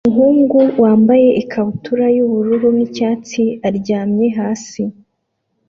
Umuhungu wambaye ikabutura yubururu nicyatsi aryamye hasi